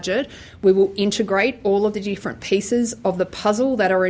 kita akan mengintegrasi semua bagian bagian yang terlibat di dalam sistem ini